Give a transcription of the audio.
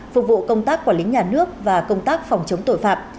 phục vụ công tác quản lý nhà nước và công tác phòng chống tội phạm